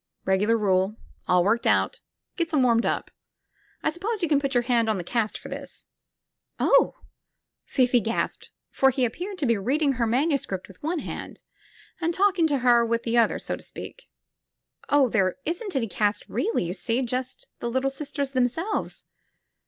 Eegular rule. All worked out. Gets 'em warmed up. I s'pose you can put your hand on the cast for this?" "Oh!" Fifi gasped, for he appeared to be reading her manuscript with one hand and talking to her with the other, so to speak. "Oh! There isn't any cast really, you see — ^just the Little Sisters themselves."